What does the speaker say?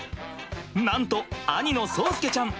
なんと兄の蒼介ちゃん